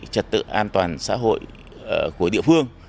trật tự an toàn xã hội của địa phương